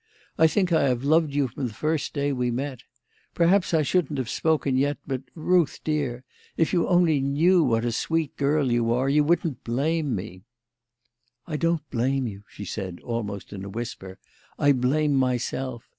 I think I have loved you from the first day we met. Perhaps I shouldn't have spoken yet, but, Ruth, dear, if you only knew what a sweet girl you are, you wouldn't blame me." "I don't blame you," she said, almost in a whisper; "I blame myself.